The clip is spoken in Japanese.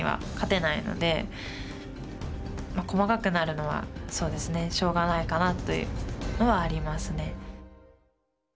細かくなるのはそうですねしょうがないかなというのはありますね。